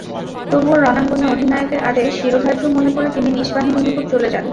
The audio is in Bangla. তবুও রণাঙ্গনে অধিনায়কের আদেশ শিরোধার্য মনে করে তিনি নিজ বাহিনীর নিকট চলে যান।